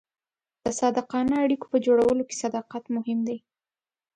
د صادقانه اړیکو په جوړولو کې صداقت مهم دی.